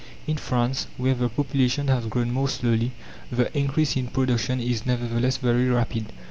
In France, where the population has grown more slowly, the increase in production is nevertheless very rapid.